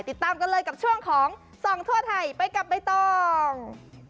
ติดตามกันเลยกับช่วงของส่องทั่วไทยไปกับใบตอง